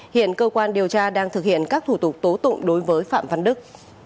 hiện cơ quan điều tra đang thực hiện các thủ tục tố tụng đối với phạm văn đức